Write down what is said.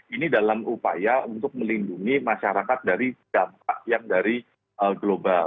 ini dalam upaya untuk melindungi masyarakat dari dampak yang dari global